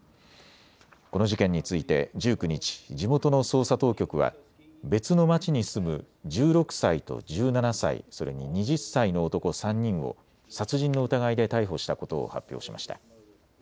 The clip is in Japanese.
この事件について１９日、地元の捜査当局は別の町に住む１６歳と１７歳、それに２０歳の男３人を殺人の疑いで逮捕したことを発表しました。